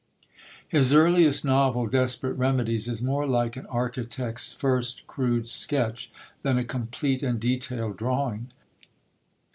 His earliest novel, Desperate Remedies, is more like an architect's first crude sketch than a complete and detailed drawing.